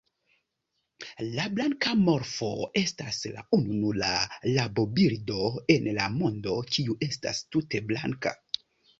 La blanka morfo estas la ununura rabobirdo en la mondo kiu estas tute blanka.